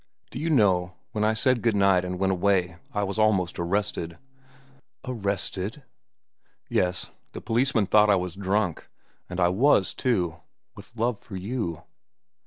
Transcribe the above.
Do you know, when I said good night and went away, I was almost arrested." "Arrested?" "Yes. The policeman thought I was drunk; and I was, too—with love for you."